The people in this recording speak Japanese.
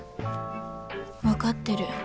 分かってる。